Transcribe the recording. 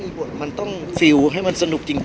พี่อัดมาสองวันไม่มีใครรู้หรอก